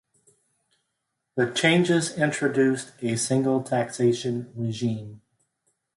The changes introduced a single taxation regime.